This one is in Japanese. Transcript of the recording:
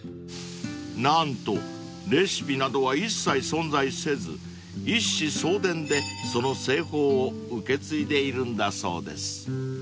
［何とレシピなどは一切存在せず一子相伝でその製法を受け継いでいるんだそうです］